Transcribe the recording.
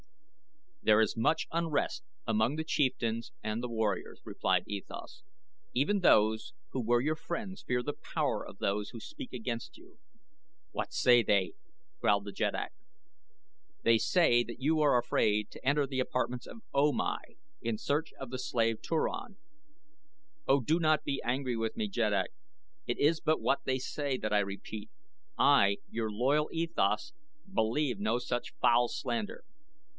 "There is much unrest among the chieftains and the warriors," replied E Thas. "Even those who were your friends fear the power of those who speak against you." "What say they?" growled the jeddak. "They say that you are afraid to enter the apartments of O Mai in search of the slave Turan oh, do not be angry with me, Jeddak; it is but what they say that I repeat. I, your loyal E Thas, believe no such foul slander."